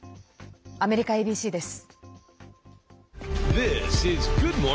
アメリカＡＢＣです。